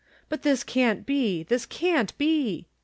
But this can't be! This can't be!"